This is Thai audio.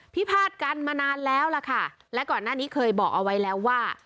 พาทกันมานานแล้วล่ะค่ะและก่อนหน้านี้เคยบอกเอาไว้แล้วว่า